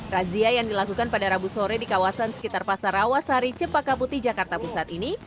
razia yang dilakukan pada rabu sore di kawasan sekitar pasar awasari cepaka putih jakarta pusat ini